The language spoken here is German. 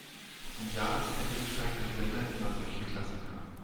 Zum Jahresende zeigt der Sender immer solche Klassiker.